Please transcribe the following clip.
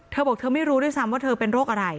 เธอบอกเธอไม่รู้ด้วยซ้ำว่าเธอเป็นโรคอะไร